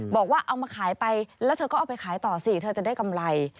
บอกว่าเอามาขายไปแล้วเธอก็เอาไปขายต่อสิเธอจะได้กำไร